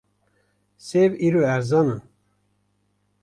Sêv îro erzan in.